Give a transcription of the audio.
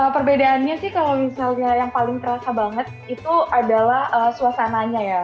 perbedaannya sih kalau misalnya yang paling terasa banget itu adalah suasananya ya